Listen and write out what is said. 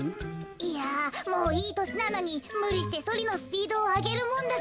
いやもういいとしなのにむりしてソリのスピードをあげるもんだから。